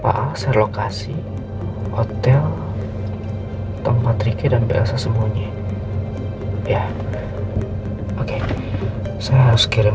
pak akses lokasi hotel tempat riki dan berasa semuanya ya oke saya harus kirim